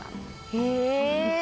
へえ！